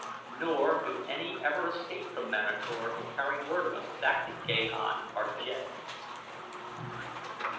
Nor do any ever escape from Manator to carry word of us back to Gahan our jed."